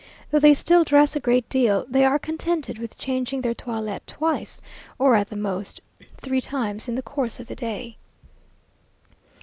Though they still dress a great deal, they are contented with changing their toilet twice, or at the most, three times in the course of the day.